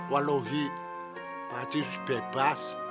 walau pak haji harus bebas